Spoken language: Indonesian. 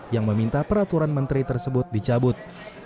yang meminta peraturan menteri tersebut dicabut